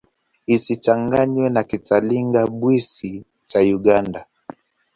Isichanganywe na Kitalinga-Bwisi cha Uganda.